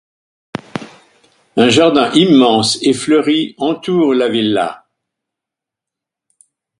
Un jardin immense et fleuri entoure la villa.